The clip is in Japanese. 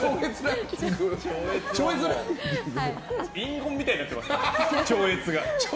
隠語みたいになってます超越が。